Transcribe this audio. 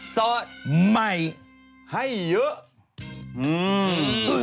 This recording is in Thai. สวัสดีครับ